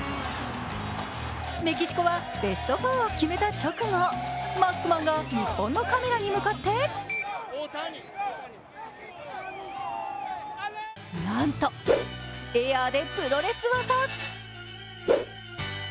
メキシコはベスト４を決めた直後マスクマンが日本のファンに向かってなんと、エアでプロレス技。